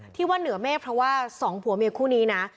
ที่ว่าเหนือเมฆเพราะว่าสองผัวเมียคู่นี้นะ